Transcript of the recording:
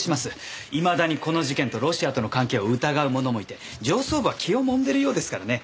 いまだにこの事件とロシアとの関係を疑う者もいて上層部は気をもんでいるようですからね。